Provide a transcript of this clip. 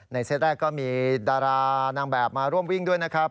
เซตแรกก็มีดารานางแบบมาร่วมวิ่งด้วยนะครับ